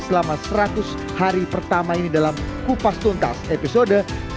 selama seratus hari pertama ini dalam kupas tuntas episode